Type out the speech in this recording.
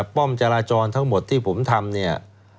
ป้อมจราจรทั้งหมดที่ผมทำเนี่ย